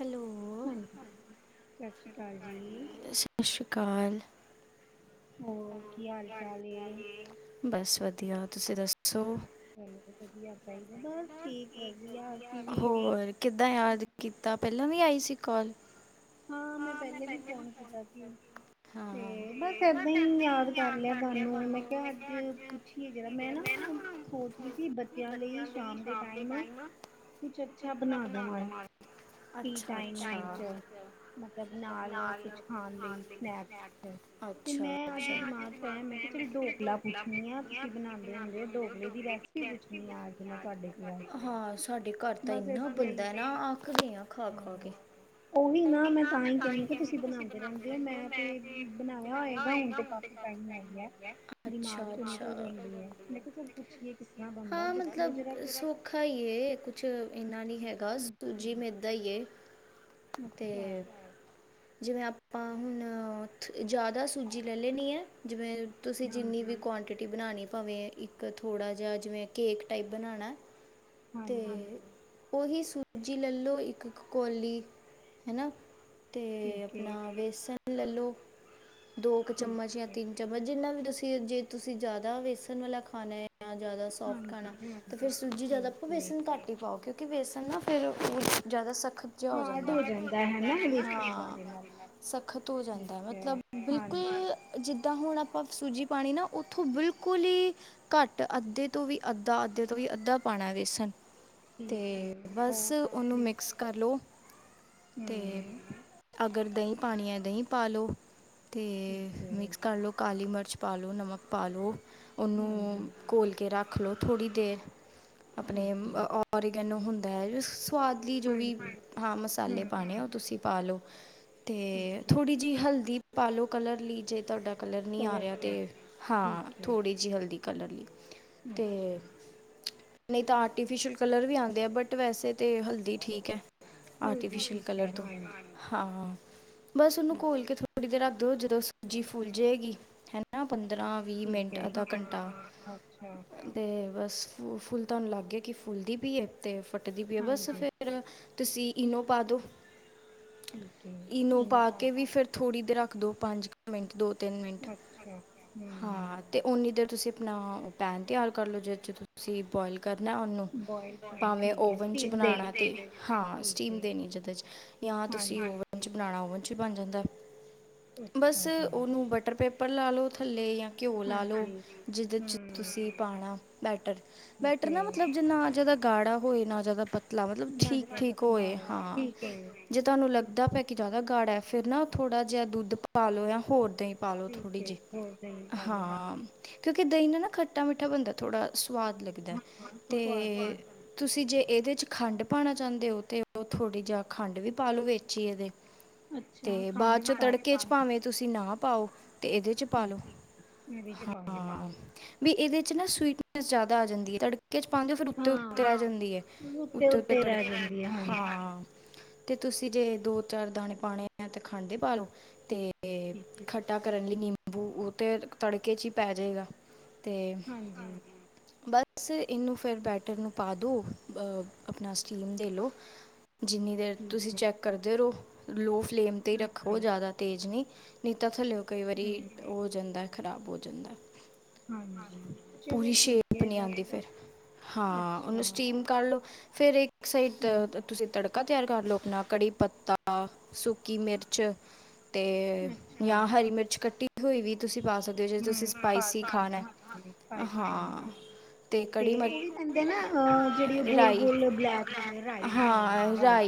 Hello ਸਤਿ ਸ਼੍ਰੀ ਅਕਾਲ। ਹੋਰ ਕੀ ਹਾਲ ਚਾਲ ਏ। ਵਧੀਆ ਤੁਸੀਂ ਦੱਸੋ। ਚਲੋ ਸਬ ਵਧੀਆ ਚਾਹੀਦਾ ਬਸ ਠੀਕ ਵਾ। ਹੋਰ ਕਿੱਦਾਂ ਯਾਦ ਕੀਤਾ ਪਹਿਲਾਂ ਵੀ ਆਈ ਸੀ ਕੋਲ। ਹਾਂ ਮੈਂ ਪਹਿਲੇ ਵੀ ਫੋਨ ਕੀਤਾ ਸੀ ਤੇ ਬਸ ਏਦਾਂ ਹੀ ਯਾਦ ਕਰ ਲਿਆ ਤੁਹਾਨੂੰ ਮੈਂ ਕਿਹਾ ਅੱਜ ਪੁੱਛੀਏ ਜਰਾ ਮੈਂ ਨਾ ਸੋਚਦੀ ਸੀ ਬੱਚਿਆਂ ਲਈ ਸ਼ਾਮ ਦੇ ਟਾਈਮ ਕੁਛ ਅੱਛਾ ਬਣਾ ਦੇਵਾਂ, ਟੀ ਟਾਈਮ ਚ ਮਤਲਬ ਨਾਲ ਕੁਛ ਖਾਣ ਲਈ ਸਨੈਕਸ, ਤੇ ਮੈਂ ਅੱਜ ਦਿਮਾਗ ਚ ਆਇਆ ਮੈਂ ਕਿਆ ਚਲ ਡੋਕਲਾ ਪੁੱਛਣੀ ਆ ਤੁਸੀਂ ਬਣਾਉਂਦੇ ਹੁੰਦੇ ਹੋ ਡੋਕਲੇ ਦੀ ਰੈਸਪੀ ਪੁੱਛਣੀ ਆ ਅੱਜ ਮੈਂ ਤੁਹਾਡੇ ਕੋਲੋਂ ਸਾਡੇ ਘਰ ਤਾਂ ਇੰਨਾ ਬੰਨਦਾ ਨਾ ਆਕ ਗਏ ਆ ਖਾ-ਖਾ ਕੇ ਮੈਂ ਤਾਂ ਹੀ ਕੇਨੀ ਪਈ ਆ ਤੁਸੀ ਬੰਨਾਂਦੇ ਰਹੰਦੇ ਹੋ, ਮੈਂ ਤੇ ਬਣਾਇਆ ਹੋਏਗਾ ਹੁਣ ਤੇ ਕਾਫੀ ਟਾਈਮ ਹੋ ਗਿਆ ਦਿਮਾਗ ਚੋਂ ਨਿਕਲ ਜਾਂਦੀ ਹੈ, ਮੈਂ ਕਿਹਾ ਚਲ ਪੁੱਛੀਏ ਕਿਸ ਤਰ੍ਹਾਂ ਬਣਦਾ ਦੱਸਿਓ ਜਰਾ ਕੀਸ ਕੁਛ ਇੰਨਾ ਨੀ ਹੈਗਾ ਸੂਜੀ ਮੇਦਾ ਹੀ ਏ ਅੱਛਾ। ਜਿਵੇਂ ਆਪਾਂ ਹੁਣ ਜ਼ਿਆਦਾ ਸੂਜੀ ਲੇ ਲੈਂਣੀ ਹੈ, ਜਿਵੇਂ ਤੁਸੀਂ ਜਿੰਨੀ ਵੀ ਕੁਆਂਟਿਟੀ ਬਣਾਣੀ ਭਾਵੇਂ ਇੱਕ ਥੋੜ੍ਹਾ ਜਿਹਾ ਜਿਵੇਂ, ਕੇਕ ਟਾਈਪ ਬਣਾਣਾ। ਤੇ ਓਹੀ ਸੂਜੀ ਲੇਲੋ, ਇੱਕ, ਕ ਕੌਲੀ, ਹੈਨਾ। ਅਤੇ, ਆਪਣਾ ਵੇਸਣ ਲੇਲੋ। ਦੋ-ਕੁ ਚਮਚ ਜਾਂ, ਤਿੰਨ-ਚਮਚ ਜਿੰਨਾ ਵੀ ਤੁਸ ਫੇਰ ਜੇ, ਤੁਸੀਂ ਜਿਆਦਾ ਵੇਸਣ ਵਾਲਾ ਖਾਣਾ ਏ ਜਾ ਜ਼ਿਆਦਾ ਸੋਫਟ ਖਾਣਾ, ਤਾਂ ਫਿਰ ਸੂਜੀ ਜ਼ਿਆਦਾ ਬੇਸਨ ਘੱਟ ਹੀ ਪਾਉ ਕਉ ਕਿਉਂਕਿ ਵੈਸਣ ਨਾ, ਫਿਰ ਉਹ ਜ਼ਿਆਦਾ ਸਕਤ ਖਤ ਜਾ ਹੋਜਾਂਦਾ, ਸਖਤ ਹੋ ਜਾਂਦਾ ਮਤਲਬ ਬਿਲਕੁਲ ਜਿੱਦਾਂ ਹੁਣ ਆਪ ਆਪਾਂ ਸੂਜੀ ਪਾਣੀ ਨਾ, ਉੱਥੋ ਬਿਲਕੁਲ ਹੀ ਘੱਟ-ਅੱਧੇ ਤੋਂ, ਵੀ ਅੱਧਾ, ਅੱਧੇ ਤੋਂ ਵੀ ਅੱਧਾ ਪਾਣਾ ਵਿੱਚ ਤੇ, ਬਸ ਉਹਨੂੰ ਮਿਕਸ ਕਰ ਲਓ, ਅਤੇ ਅਗਰ ਦਹੀ ਪਾਣੀ ਯਾਂ, ਦਹੀ ਪਾ ਲਓ ਅਤੇ ਮਿਕਸ ਕਰ ਲਉ, ਕਾਲੀ ਮਿਰਚ ਵਿਚ ਪਾ ਲੋ ਨਮਕ ਪਾਲ ਲਓ ਉਹਨੂੰ ਘੋਲ ਕੇ ਰੱਖ ਰਖ ਲਓ ਥੋੜ੍ਹੀ ਦੇਰ। ਆਪਣੇ ਓਰੀਗੈਨ ਹੁੰਨ ਦਾ ਸੁਆਦ ਲੀ ਜੋ ਵੀ, ਹਾਂ ਮਸਾਲੇ ਪਾਣੇ ਆ ਉਹ ਤੁਸੀਂ ਪਾ ਲਉ ਤੇ ਥੋੜ੍ਹੀ ਜਿਹੀ ਹਲਦੀ ਪਾਲੋ ਕਲਰ ਲੀ ਜੇ ਤੁਹਾਡਾ ਕਲਰ ਨਹੀਂ ਆ ਰਿਹਾ ਤੇ ਹਾਂ, ਥੋੜ੍ਹੀ ਜਿਹੀ ਹਲਦੀ ਕਲਰ ਲਈ ਤੇ ਆਰਟੀਫਿਯਲ ਕਲਰ ਵੀ ਆਉਂਦੇ ਏਂ, ਬਟ ਵੈਸੇ ਤੇ ਹਲਦੀ ਠੀਕ ਏ। ਆਰਟੀਫਿਸ਼ਿਅਲ ਕਲਰ ਤੋ, ਹਾਂ ਬਸ ਉਹਨੂੰ ਘੋਲ ਕੇ ਥੋੜ੍ਹੀ ਦੇਰ ਆ ਉਦੋਂ ਜਦੋਂ ਸੂਜੀ ਫੂਲ ਜਾਏਗੀ, ਹਨਾ ਪਨ ਪੰਦਰਾਂ- ਵੀਹ ਮਿੰਟ, ਅੱਧਾ ਘੰਟਾ ਤੇ ਬਸ ਓਹ ਫੁੱਲ ਤੁਹਾਨੂੰ ਲੱਗ ਗਿਆ ਕਿ ਫੁੱਲਦੀ ਪਈ ਏ, ਤੇ [unintelligible] ਪਈ ਏ ਬਸ ਫੇਰ ਤੁਸੀ ਈਨੋ ਪਾ ਦਿਓ। ਈਨੋ ਪਾ ਕੇ ਵੀ ਫੇਰ ਥੋੜੀ ਦੇਰ ਰ ਦੋ ਪੰਜ ਕੁ ਮਿੰਟ ਦੋ। ਤਿੰਨ ਮਿੰਟ ਹਾਂ ਤੇ ਓਨੀ ਦੇਰ ਤੁਸੀ ਆਪਨਾ ਪੈਨ ਤਿਆਰ ਕਰ ਲਓ, ਜਿਹਦੇ ਚ ਤੁਸੀ ਬੋਆਇਲ ਨਾ ਉਹਨੂੰ ਭਾਵੇਂ ਓਵਨ ਚ ਬਣਾਣਾ ਤੇ ਹਾਂ ਸਟੀਮ ਦੇਨੀ ਜਿਹਦੇ ਚ ਜਾਂ ਤੁਸੀ ਓਵਨ ਚ ਬਣਾਣਾ ਓਵਨ ਚ ਹੀ ਬਣ ਜਾਂਦਾ ਏ ਬਸ ਉਹਨੂੰ ਬਟਰ ਪੇਪ ਪਰ ਲਾ ਲਓ ਥੱਲੇ ਜਾਂ ਘਿਓ ਲਾ ਲਓ ਜਿਹਦੇ ਚ ਤੁਸੀ ਪਾਣਾ। ਬੈਟਰ ਬੈਟਰ ਨਾ ਮਤਲਬ ਜਿੰਨਾ ਜਿਆਦਾ ਗਾੜਾ ਹੋਏ ਨਾ ਜਿਆਦਾ ਪਤ ਮਤਲਬ ਠੀਕ -ਠੀਕ ਹੋਏ ਹਾਂ, ਜੇ ਤੁਹਾਨੂੰ ਲੱਗਦਾ ਪਿਆ ਕਿ ਜਿਆਦਾ ਗਾੜਾ ਐ ਫਿਰ ਨਾ ਥੋੜ੍ਹਾ ਜਿਹਾ ਦੁੱਧ ਪਾ ਲਉ ਜਾਂ ਹੋਰ ਦਹੀਂ ਪਾ ਲਓ ਥੋੜੀ ਜਿਹੀ ਅ ਹਾਂ। ਕਿਉਂਕਿ ਦਹੀਂ ਨਾਲ ਨਾ ਖੱਟਾ ਮਿੱਠਾ ਬਣਦਾ ਥੋੜ੍ਹਾ ਸੁਵਾਦ। ਦਾ ਏ ਤੇ ਤੁਸੀ ਜੇ ਇਹਦੇ ਚ ਖੰਡ ਪਾਣਾ ਚਾਹੁੰਦੇ ਹੋ ਤੇ ਉਹ ਥੋੜ੍ਹੀ ਜਿਹਾ ਖੰਡ ਵੀ ਪਾ ਲਉ ਵਿਚ ਹੀ ਇਹਦੇ। ਤੇ ਬਾਅਦ ਚ ਤੜਕੇ ਚ ਭਾਵੇਂ ਤੁਸੀ ਨਾ ਪਾਓ ਤੇ ਇਹਦੇ ਚ ਪਾ ਲਓ ਹਾਂ। ਵੀ ਇਹਦੇ ਚ ਨਾ ਸਵੀਟਨੈਸ ਜਿਆਦਾ ਆ ਜਾਂਦੀ ਦੀ ਹੈ ਤੜ ਤੜਕੇ ਚ ਪਾਂਦੇ ਔ ਫਿਰ ਉੱਤੇ -ਉੱਤੇ ਰਹਿ ਜਾਂਦੀ ਐ, ਉੱਤੇ- ਉੱਤੇ ਤੜਕੇ, ਹਾਂ ਤੇ ਤੁਸੀਂ ਜੇ ਦੋ ਚਾਰ ਦਾਣੇ ਪਾਣੇ ਆ ਤੇ ਖੰਡ ਦੇ ਪਾ ਲੋ, ਤੇ ਤੇ ਖੱਟਾ ਕਰਨ ਲਈ ਨੀਂਬੂ ਬੂ ਉਹ ਤੇ ਤੜਕੇ ਚ ਹੀ ਪੈ ਜੇਗਾ। ਹਾਂਜੀ। ਬਸ ਇਹਨੂੰ ਫਿਰ ਬੈਟਰ ਨੂੰ ਪਾ ਦੋ, ਅਪਣਾ ਸਟੀਮ ਦੇ ਲੋ। ਜਿੰਨੀ ਦੇਰ ਤੁਸੀਂ ਚੈਕ ਕਰਦੇ ਰਹੋ। ਲੋ ਫਲੇਮ ਤੇ ਹੀ ਰੱਖੋ ਜ਼ਿਆਦਾ ਤੇਜ਼ ਨਹੀ ਨਈ ਤਾ ਥੱਲੇ ਔ ਕਈ ਵਾਰੀ ਔ ਹੋ ਜਾਂਦਾ ਖਰਾਬ ਹੋ ਜਾਂਦਾ ਹਾਂਜੀ, ਚਲੋ ਠੀਕ ਏ। ਬਸ ਫੇਰ, ਹਾਂ ਉਹਨੂੰ ਸਟੀਮ ਕਰ ਲੋ ਫੇਰ ਇੱਕ ਇੱਕ ਸਾਈਡ ਤੁਸੀ ਤੜਕਾ ਤਿਆਰ ਕਰ ਲੋ ਅਪਣਾ ਕੜ੍ਹੀ ਪੱਤਾ, ਸੁੱਕੀ ਮਿਰਚ ਤੇ ਯਾਂ ਹਰੀ ਮਿਰਚ ਕਟੀ ਹੋਈ ਵੀ ਤੁਸੀ ਪਾ ਸਕਦੇ ਹੋ ਜੇ ਤੁਸੀਂ ਸਪਾਈਸੀ ਖਾਣਾ ਹੈ। ਹਾਂ ਤੇ ਉਹ ਵੀ ਪੈਂਦਾਂ ਨਾ ਜਿਹੜੀ ਉਹ ਗੋਲ ਗੋਲ ਬਲੈਕ ਨੇ ਰਾਈ ਹਾਂ ਰਾਈ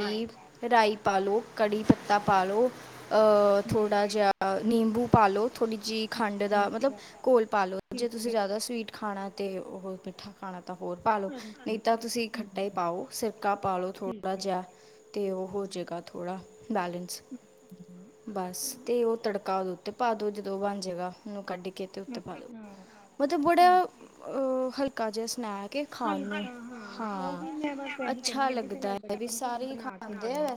ਪਾ ਲਓ ਕੜੀ ਪੱਤਾ ਪਾ ਲਓ ਅ ਥੋੜ੍ਹਾ ਜਿਹਾ ਨਿੰਬੂ ਪਾਲੋ। ਥੋੜ੍ਹੀ ਜੀ ਖੰਡ ਦਾ ਮਤਲਬ ਘੋਲ ਪਾ ਲੋ, ਜੇ ਤੁਸੀ ਜ਼ਿਆਦਾ ਸਵੀਟ ਖਾਣਾ ਤੇ ਉਹ ਹਾਂ ਖਾਣਾ ਤੇ ਹੋਰ ਪਾ ਲੋ ਨਹੀਂ ਤਾਂ ਤੁਸੀਂ ਖੱਟਾ ਹੀ ਪਾਓ, ਸਿਰਕਾ ਪਾਲਓ ਥੋੜ੍ਹਾ ਜਿਹਾ ਤੇ ਉਹ ਹੋ ਜੇਗਾ ਥੋੜ੍ਹਾ ਬੈਲੇੈਂਸ ਬਸ ਤੇ ਉਹ ਤੜਕਾ ਤੇ ਪਾ ਦੋ ਜਦੋਂ ਬਣ ਜੇਗਾ ਉਹਨੂੰ ਕੱਢ ਅੱਛਾ। ਮਤਲਬ ਬੜਾ ਹਲਕਾ ਜਿਹਾ। ਹਲਕਾ ਹਾਂ ਓਹੀ ਮੈਂ ਬਸ ਐਹੀ ਕਹਿੰਦੀ ਚਲ ਬੱਚਆ ਨੂ ਕੁਛ ਬਨਾ ਕੇ ਦੇਵਾਂ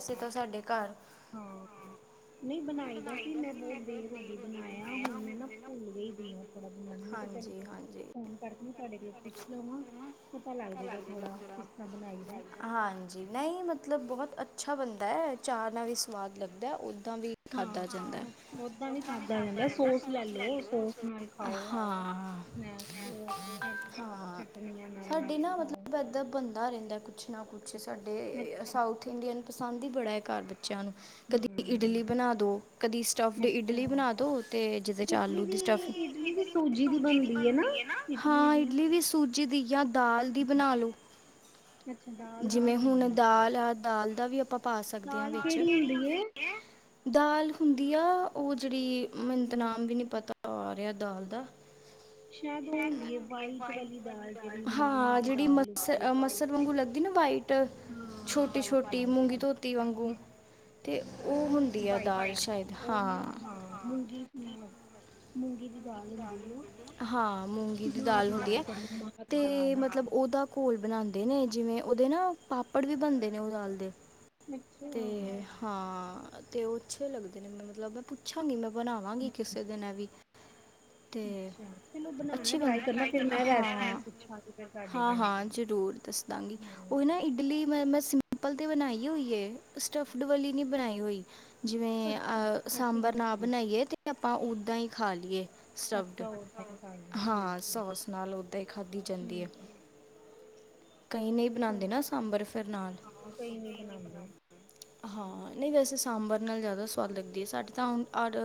ਹਾਂ ਨਹੀ ਬਨਾਈ ਦਾ ਸੀ ਮੈਂ ਬੋਤ ਦੇਰ ਹੋ ਗੀ ਬਨਾਇਆ ਹੁਣ ਮੈਂ ਨਾ ਪੁਲ ਗਈ ਦੀ ਆ ਥੋੜਾ ਜਿੰਨਾ। ਫੋਨ ਕਰਕੇ ਮੈਂ ਤੁਹਾਡੇ ਕੋਲੋਂ ਪੁੱਛ ਲੋਵਾਂ। ਹਾਂਜੀ ਨਹੀਂ ਮਤਲਬ ਬਹੋਤ। ਅੱਛਾ ਬਨਦਾ ਐ ਚਾਹ ਨਾਲ ਵੀ ਸਵਾਦ ਲੱਗਦਾ ਓਹ ਹਾਂ ਓਦਾਂ ਵੀ ਖਾਧਾ ਜਾਂਦਾ ਸੋਸ ਲੈ ਲੋ ਸੋਸ ਨਾਲ ਖਾਓ। ਹਾਂ ਹਾਂ ਹਾਂ ਸਾਡੀ ਨਾ ਮਤਲਬ ਐਦਾਂ ਬਣਦੀ ਰਹਿੰਦਾ ਕੁਛ ਨਾ ਕੁਛ। ਪੀਛੇ ਸਾਡੇ ਸਾਊਥ ਇੰਡੀਅਨ ਪਸੰਦ ਹੈ ਬੜਾ ਐ ਕਰਦੇ ਬੱਚਿਆਂ ਨੂੰ ਕਦੀ ਇਡਲੀ ਬਣਾ ਦੋ ਕਦੀ ਸਟਫਡ ਇਡਲੀ ਬਣਾ ਦੋ ਤੇ ਜਿਦੇ ਚ ਆਲੂ ਦੀ ਸਟਫ ਸੂਜੀ ਦੀ ਬਨਦੀ ਐ ਨਾ ਹਾਂ ਇਡਲੀ ਵੀ ਸੂਜੀ ਦੀ ਯਾਂ ਦਾਲ ਦੀ ਬਨਾ ਲੋ ਜਿਵੇਂ ਹੁਣ ਦਾਲ ਆ ਦਾਲ- ਤਾ ਵੀ ਆਪਾਂ ਪਾ ਸਕਦੇ ਆ ਵਿੱਚ। ਦਾਲ ਕੇਹੜੀ ਹੁੰਦੀ ਐ? ਦਾਲ ਹੁੰਦੀ ਆ ਓਹ ਜਿਹੜੀ ਮਨੂੰ ਤੇ ਨਮ ਵੀ ਨਹੀ ਪਤਾ ਆ ਰਿਹਾ ਦਾਲ ਦਾ। ਹਾਂ ਜੜੀ ਮ ਮਸਰ ਵਾਂਗੂ ਲੱਗਦੀ ਨਾ ਵਾਈਟ ਛੋਟੀ ਛੋਟੀ ਮੂੰਗੀ ਧੋਤੀ ਵਾਂਗੂ ਤੇ ਵਾਈਟ ਦਾਲ ਓਹ ਹਾਂ ਮੂੰਗੀ ਮੂੰਗੀ ਦੀ ਹਾਂ ਮੂੰਗੀ ਦੀ ਦਾਲ ਹੁੰਦੀ ਐ ਤੇ ਮਤਲਬ ਓਹਦਾ ਘੋਲ ਬਨਾ ਨਦੇ ਨੇ ਜਿਵੇਂ ਓਹਦੇ ਨਾ ਪਾਪੜ ਵੀ ਬਨਦੇ ਨੇ ਓਹ ਦਾਲ ਦੇ। ਤੇ ਹਾਂ। ਤੇ ਓਹ ਅੱਛੇ ਲੱਗਦੇ ਨੇ ਮ ਮਤਲਬ ਮੈਂ ਪੁੱਛਾਂਗੀ ਮੈਂ ਬਨਾ ਵਾਂਗੀ ਕਿਸੇ ਦਿਨ ਐ ਵੀ। ਤੇ ਅੱਛੀ ਬਨ ਹਾਂ ਹਾਂ ਹਾਂ ਜਰੂਰ ਦੱਸਦਾਂਗੀ ਓਹੀ ਨਾ ਇਡਲੀ ਮ ਮੈਂ ਸਿਮ ਪਲ ਤੇ ਬਨਾਈ ਹੋਈ ਏ। ਸਟਫਡ ਵਾਲੀ ਨੀ ਬਨਾਈ ਹੋਈ। ਜਿਵੇਂ ਅ ਸਾਂਬਰ ਨਾ ਬਨਾਈਏ ਤੇ ਆ ਓਦਾਂ ਈ ਖਾ ਲੀਏ। ਸਟਫਡ ਹਾਂ ਸੋਸ ਨਾਲ ਓਦਾਂ ਏ ਖਾਧੀ ਜਾਂਦੀ ਏ, ਕਈ ਨਹੀਂ ਬਨਾਂਦੇ ਨਾ ਸਾਂਬਰ ਫਿਰ ਨਾਲ। ਹਾਂ, ਨਹੀਂ ਵੈਸੇ ਸਾਂਬਰ ਨਾਲ ਜ਼ਿਆਦਾ ਸਵਾਦ ਲੱਗਦੀ ਹੈ। ਸਾਡੇ ਤਾਂ, ਆਰ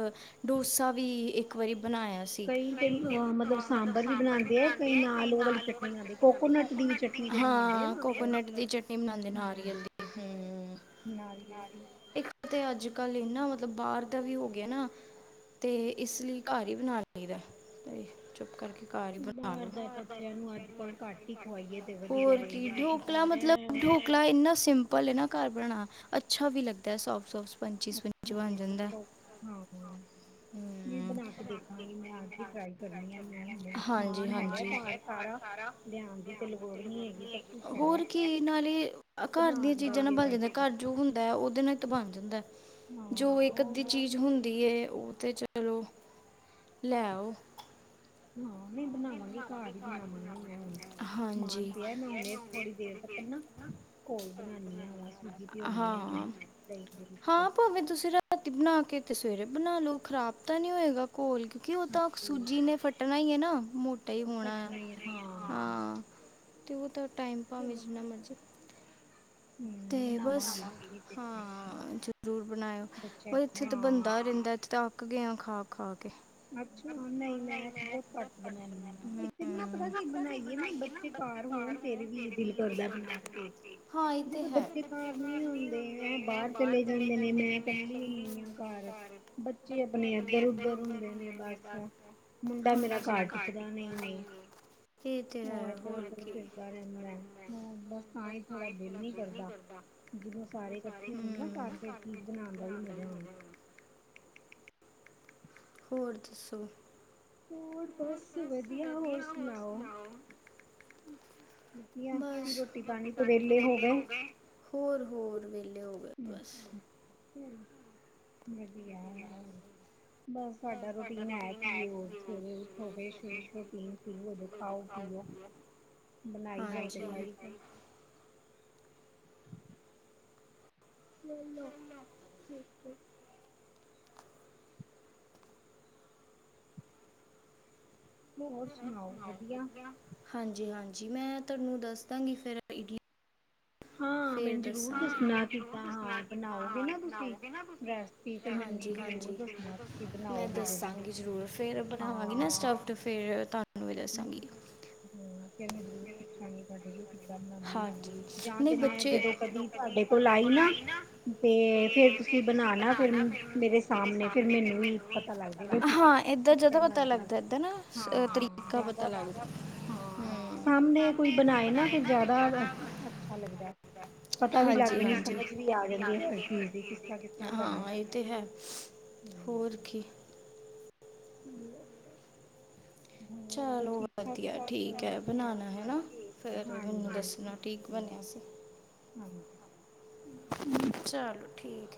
ਡੋਸਾ ਵੀ ਇੱਕ ਵਾਰੀ ਬਣਾਇਆ ਸੀ। ਕਈ ਤੇ ਮਤਲਬ ਸਾਂਬਰ ਵੀ ਬਣਾਉਂਦੇ ਆ ਕਈ ਮਤਲਬ ਉਹ ਚਟਨੀ ਕੋਕੋਨਟ ਦੀ ਚਟਨੀ। ਹਾਂ, ਕੋਕੋਨਟ ਦੀ ਚਟਨੀ ਬਣਾਦੇ ਆ ਨਾਲ ਦੀ ਇਹਦੇ। ਨਾਲ ਦੇ ਉਹਦੀ ਅੱਜ-ਕੱਲ ਇਹ ਨਾ ਮਤਲਬ, ਬਾਹਰ ਦਾ ਵੀ ਹੋ ਗਿਆ ਨਾ ਤੇ ਇਸ ਲਈ ਘਰ ਹੀ ਬਣਾ ਲਈਦਾ ਤੇ ਚੁੱਪ ਕਰਕੇ। ਘਰ ਬਣਾ ਲੋ। ਹੋਰ ਕੀ, ਢੋਕਲਾ ਮਤਲਬ ਢੋਕਲਾ ਇੰਨਾ ਸਿੰਪਲ ਏਨਾ। ਬਣਾ, ਅੱਛਾ ਵੀ ਲੱਗਦਾ ਸੌਫਟ-ਸੌਫਟ। [unintelligible] ਅੱਛਾ, ਹਾਂ। ਵੀ ਬਣਾ ਕੇ ਦੇਖਾਂਗੀ। ਮੈਂ ਅੱਜ ਟਰਾਈ ਕਰਨੀ ਆ ਮੈਂ ਹੁਣੇ। ਸਮਾਨ ਹੈਗਾ ਘਰ ਸਾਰਾ, ਲਿਆਣ ਦੀ ਤਾਂ ਲੋੜ ਨੀ ਹੈਗੀ। ਸਭ ਕੁਛ ਹੈਗਾ। ਬਣਾਉਣ ਦਾ ਹੀ ਹੈ ਬਸ। ਘਰ ਜੋ ਹੁੰਦਾ, ਉਹਦੇ ਨਾਲ ਤਾਂ ਬਣ ਜਾਂਦਾ। ਜੋ ਇੱਕ-ਅੱਧੀ, ਚੀਜ਼ ਹੁੰਦੀ ਹੈ। ਉਹ ਤੇ ਚਲੋ ਲੈ ਆਉ। ਹੂਆ। ਹਾਂਜੀ, ਹਾਂਅ। ਹਾਂ, ਭਾਵੇਂ ਤੁਸੀਂ ਰਾਤ ਬਣਾ ਕੇ ਤੇ ਸਵੇਰੇ ਬਣਾ ਲੋ। ਖ਼ਰਾਬ ਤਾਂ ਨੀ ਹੋਏਗਾ ਘੋਲ? ਘਿਉ ਤਾਂ ਸੂਜੀ ਨੇ ਫੱਟ ਬਣਾਈ ਏ ਨਾ। ਇਹੀ ਹੋਣਾ, ਹਾਂ। ਤੂਤ ਪਰ ਟਾਈਮ ਭਾਵੇਂ ਜਿੰਨਾ ਮਰਜ਼ੀ ਤੇ ਬਸ, ਹਾਂ ਜ਼ਰੂਰ ਬਣਾਇਓ, ਬ ਇੱਥੇ ਤਾਂ ਬੰਦਾ ਰਹਿੰਦਾ, ਇਥੇ ਤਾਂ ਅੱਕ ਗਏ ਆ ਖਾ ਖਾ ਅੱਛਾ, ਨਹੀਂ ਮੈਂ ਬਹੁਤ ਘੱਟ ਬਣਾਣੀ ਆਂ ਇੱਕ ਨਾ ਪਤਾ ਕੀ ਬਣਾਈਏ ਨਾ, ਬੱਚੇ ਘਰ ਹੋਣ ਫਿਰ ਵੀ ਦਿਲ ਕਰਦਾ ਬਣਾ ਕੇ ਉਹ ਤੇ ਹੈ ਬੱਚੇ ਘਰ ਨੀ ਹੁੰਦੇ, ਬਾਹਰ ਚਲੇ ਜਾਂਦੇ ਨੇ, ਮੈਂ ਕੱਲੀ ਹੁੰਦੀ ਹਾਂ ਘਰ, ਬੱਚੇ ਆਪਣੇ ਇਧਰ-ਉੱਧਰ ਕੇ ਬਸ ਮੁੰਡਾ ਮੇਰਾ ਘਰ ਟਿਕਦਾ ਨਹੀਂ ਏ, ਉਹ ਏਧਰ-ਉਧਰ ਫਿਰਦਾ ਰਹਿੰਦਾ, ਹਾਂ ਬਸ ਤਾਂ ਹੀ ਥੋੜਾ ਦਿਲ ਨੀ ਕਰਦਾ ਜਦੋਂ ਸਾਰੇ ਇਕੱਠੇ ਹੋਣ ਨਾ ਘਰ ਫਿਰ ਚੀਜ਼ ਬਣਾਉਣ ਦਾ ਵੀ ਮਜ਼ਾ ਆਉਂਦਾ। ਹੋਰ ਦੱਸੋ ਹੋਰ ਬਸ ਵਧੀਆ, ਹੋਰ ਸੁਣਾਓ ਵਧੀਆ, ਤੁਸੀਂ ਰੋਟੀ-ਪਾਣੀ ਤੋਂ ਵੇਹਲੇ ਹੋ ਗਏ। ਅੱਛਾ, ਹੂੰ। ਵਧੀਆ, ਹੋਰ ਬਸ ਸਾਡਾ ਰੂਟੀਨ ਹੈ ਕੀ ਐ ਹੋਰ ਸਵੇਰੇ ਉਠੋ ਫੇਰ ਸ਼ੁਰੂ ਰੂਟੀਨ ਸ਼ੁਰੂ ਹੋ ਜੂ ਖਾਓ-ਪੀਓ, ਬਣਾਈ ਜਾਓ ਤੇ ਖਾਈ ਜਾਓ। ਲੈਲੋ [unintelligible] ਹੋਰ ਸੁਣਾਓ ਵਧੀਆ, ਹਾਂਜੀ-ਹਾਂਜੀ। ਜੀ ਮੈਂ, ਤੁਹਾਨੂੰ ਦੱਸਦਾਂਗੀ ਫਿਰ ਇਡਲੀ ਫੇਰ ਦਸਾਂਗੀ, ਹਾਂ ਮੈਨੂੰ ਜ਼ਰੂਰ ਦੱਸਣਾ ਕਿੱਦਾਂ ਬਣਾਓਗੇ ਨਾ ਤੁਸੀਂ ਰੈਸਪੀ, ਹਾਂਜੀ -ਹਾਂਜੀ ਮੈਂ ਦਸਾਂਗੀ ਜਰੂਰ ਫੇਰ ਬਣਾਵਾਂਗੀ ਨਾ ਸਤਫ਼ਡ ਫੇਰ ਤੁਹਾਨੂੰ ਹੂੰ- ਹੂੰ, ਕਿ ਜ਼ਰੂਰ ਹਾਂਜੀ ਸਾਡੇ ਵੀ ਹਾਂਜੀ ਨਹੀਂ ਬੱਚੇ ਜਾਂ ਤੇ ਮੈਂ ਜਦੋਂ ਕਦੀ ਤੁਹਾਡੇ ਕੋਲ ਆਈ ਨਾ ਤੇ ਫੇਰ ਤੁਸੀਂ ਬਨਾਣਾ ਫਿਰ ਮੇਰੇ ਸਾਹਮਣੇ ਫਿਰ ਮੈਨੂੰ ਵੀ ਪਤਾ ਲੱਗ ਜਾਏਗਾ, ਹਾਂ ਇੱਦਾਂ ਜ਼ਿਆਦਾ ਪਤਾ ਲਗਦਾ, ਇੱਦਾਂ ਨਾ ਤਰੀਕ ਜ਼ਿਆਦਾ, ਹਾਂ ਸਾਮ੍ਹਣੇ ਕੋਈ ਬਣਾਏ ਨਾ ਫਿਰ ਜ਼ਿਆਦਾ ਅੱਛਾ ਲੱਗਦਾ ਪਤਾ ਵੀ ਲੱਗ ਜਾਂਦਾ ਸਮਝ ਵੀ ਆ ਜਾਂਦੀ ਹਰ ਚੀਜ਼ ਦੀ ਕਿਸ ਤਰ੍ਹਾਂ ਕਿਸ ਤਰ੍ਹਾਂ ਕਰਨੈ। [unintelligible] ਚਲੋ ਵਧੀਆ ਠੀਕ ਹੈ ਬਣਾਣਾ ਹੈਨਾ, ਫੇਰ ਮੈਨੂੰ ਦੱਸਣਾ ਠੀਕ ਬਣਿਆ ਸੀ, ਚਲੋ ਠੀਕ।